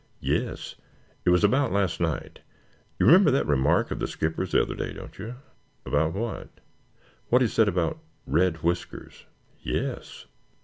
"Yes. It was about last night. You remember that remark of the skipper's the other day, don't you?" "About what?" "What he said about 'Red Whiskers'?" "Yes."